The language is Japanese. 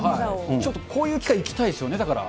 ちょっとこういう機会、行きたいですよね、だから。